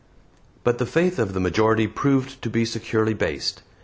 But the faith of the majority proved to be securely based.